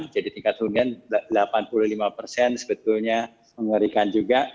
jadi tingkat keunggulan delapan puluh lima persen sebetulnya mengerikan juga